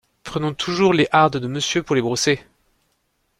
Prenons toujours les hardes de Monsieur pour les brosser !…